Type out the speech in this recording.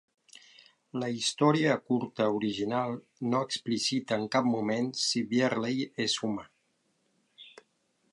La història curta original no explicita en cap moment si Byerley és humà.